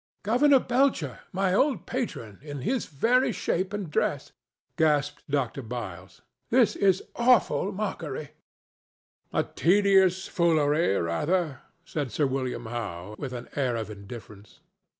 "Governor Belcher—my old patron—in his very shape and dress!" gasped Dr. Byles. "This is an awful mockery." "A tedious foolery, rather," said Sir William Howe, with an air of indifference.